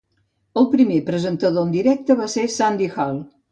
El primer presentador en directe va ser Sandi Hall.